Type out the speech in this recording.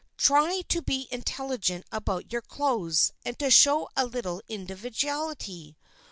Try to be intelligent about your clothes and to show a little individuality.